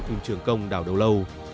phim trường công đảo đầu lâu